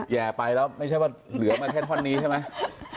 แห่ไปแล้วไม่ใช่ว่าเหลือมาแค่ท่อนนี้ใช่ไหม